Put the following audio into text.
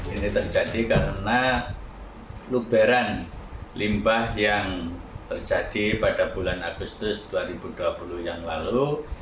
ini terjadi karena luberan limbah yang terjadi pada bulan agustus dua ribu dua puluh yang lalu